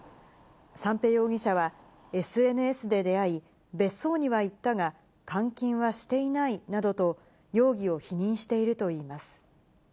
三瓶容疑者は、ＳＮＳで出会い、別荘には行ったが、監禁はしていないなどと、容疑を否認しているといいます。